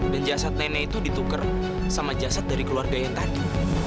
dan jasad nenek itu ditukar sama jasad dari keluarga yang tadi